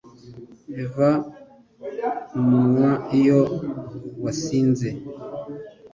biva mumunwa iyo wasinze